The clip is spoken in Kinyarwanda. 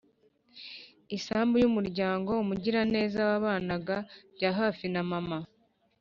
isambu y’umuryango umugiraneza wabanaga byahafi na mama